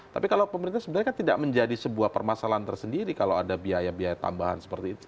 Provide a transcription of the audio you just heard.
tapi kalau pemerintah sebenarnya kan tidak menjadi sebuah permasalahan tersendiri kalau ada biaya biaya tambahan seperti itu